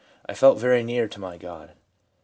'I felt very near to my God.' M.